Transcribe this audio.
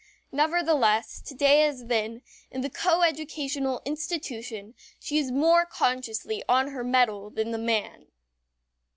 Nevertheless, to day as then, in the coeducational institution she is more consciously on her mettle than the man.